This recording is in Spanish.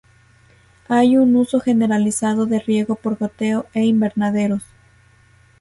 Hay un uso generalizado de riego por goteo e invernaderos.